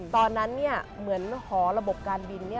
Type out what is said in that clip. ตอนนั้นเหมือนหอระบบการบิน